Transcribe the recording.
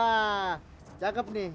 wah cakep nih